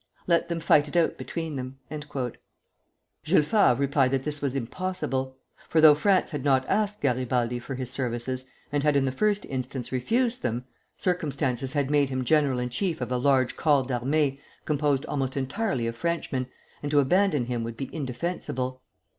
Let them fight it out between them." Jules Favre replied that this was impossible; for though France had not asked Garibaldi for his services, and had in the first instance refused them, circumstances had made him general in chief of a large corps d'armée composed almost entirely of Frenchmen, and to abandon him would be indefensible.